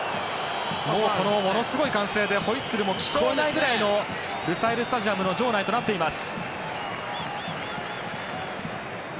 ものすごい歓声でホイッスルも聞こえないくらいのルサイル・スタジアムの場内となっています。